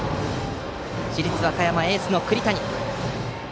市立和歌山のエース、栗谷。